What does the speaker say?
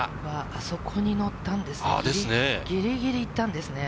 あそこに乗ったんですね。ですね。